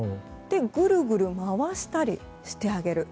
ぐるぐる回したりしてあげる。